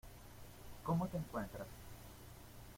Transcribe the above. ¿Cómo te encuentras?